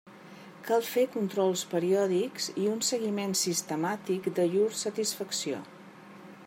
Cal fer controls periòdics i un seguiment sistemàtic de llur satisfacció.